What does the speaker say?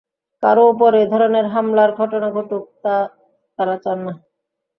কারও ওপর এ ধরনের হামলার ঘটনা ঘটুক, তা তাঁরা চান না।